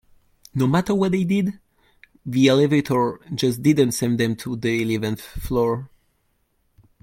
No matter what they did, the elevator just didn't send them to the eleventh floor.